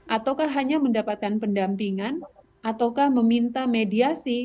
ataukah hanya mendapatkan pendampingan ataukah meminta mediasi